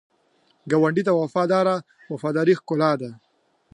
ګاونډي ته وفاداري ښکلا ده